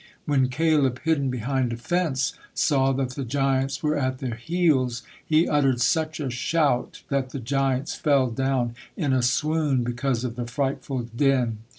When Caleb, hidden behind a fence, saw that the giants were at their heels, he uttered such a shout that the giants fell down in a swoon because of the frightful din.